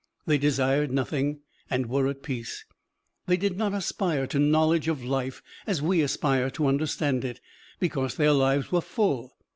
They desired nothing and were at peace; they did not aspire to knowledge of life as we aspire to understand it, because their lives were full.